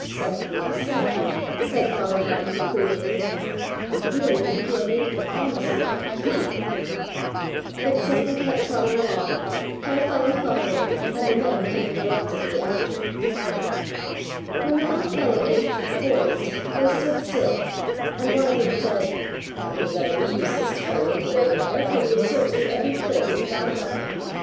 "Seppli, Seppli," said Father Martin reprovingly, "I really think you are making a promise you can't keep." But Seppli kept trotting along, Herr Feland following, and the men coming reluctantly after. When the little fellow aimed for the forest they stood still, and one of them said: "It is utterly useless to follow the boy in there, for we have searched through every place and found nothing.